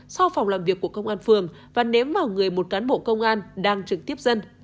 so phòng làm việc của công an phường và nếm vào người một cán bộ công an đang trực tiếp dân